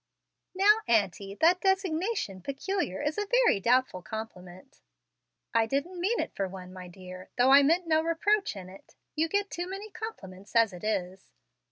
"Now, auntie, that designation 'peculiar' is a very doubtful compliment." "I didn't mean it for one, my dear, though I meant no reproach in it. You get too many compliments as it is.